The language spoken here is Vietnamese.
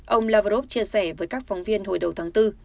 ông lavrov chia sẻ với các phóng viên hồi đầu tháng bốn